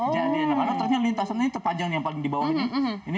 jadi ini terpanjang yang paling di bawah ini